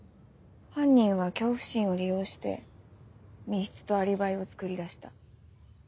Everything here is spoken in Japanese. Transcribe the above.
犯人は恐怖心を利用して密室とアリバイをつくり出した。